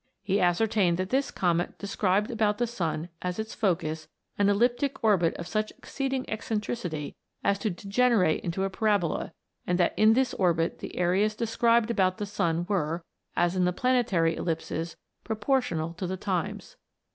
He ascertained that this Comet described about the sun as its focus an elliptic orbit of such exceeding eccentricity as to degenerate into a pai a bola, and that in this orbit the areas described about the sun were, as in the planetary ellipses, proportional to the times.